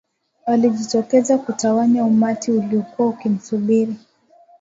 Alijitokeza kutawanya umati uliokuwa ukimsubiri